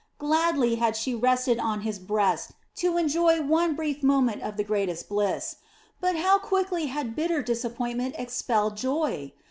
Gladly had she rested on his breast to enjoy one brief moment of the greatest bliss; but how quickly had bitter disappointment expelled joy!